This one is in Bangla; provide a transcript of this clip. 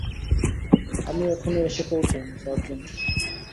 আমি এখনো এসে পৌছাইনি, সার্জেন্ট।